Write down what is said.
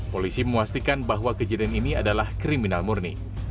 polisi memastikan bahwa kejadian ini adalah kriminal murni